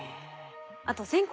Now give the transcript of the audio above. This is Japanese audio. あと全国